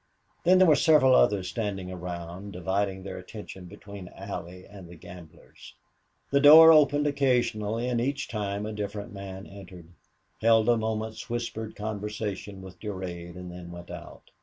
Then there were several others standing around, dividing their attention between Allie and the gamblers. The door opened occasionally, and each time a different man entered, held a moment's whispered conversation with Durade, and then went out.